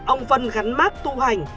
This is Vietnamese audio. ông vân gắn mắt tu hành